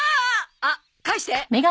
あっ返して！